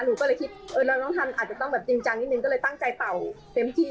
หนูก็เลยคิดเออแล้วน้องทันอาจจะต้องแบบจริงจังนิดนึงก็เลยตั้งใจเป่าเต็มที่